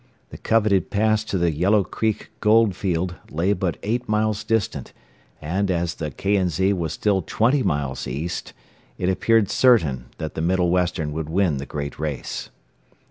The coveted pass to the Yellow Creek gold field lay but eight miles distant, and as the K. & Z. was still twenty miles east, it appeared certain that the Middle Western would win the great race.